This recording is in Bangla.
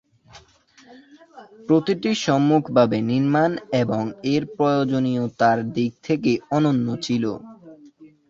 প্রতিটি সম্মুখভাগ নির্মাণ এবং এর প্রয়োজনীয়তার দিক থেকে অনন্য ছিল।